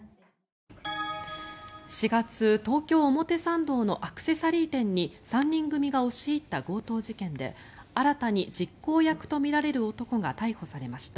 ４月、東京・表参道のアクセサリー店に３人組が押し入った強盗事件で新たに実行役とみられる男が逮捕されました。